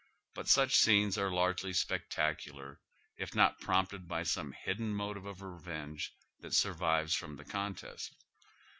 But such scenes are largely spectacular, if not prompted by some hidden motive of revenge that survives from the contest.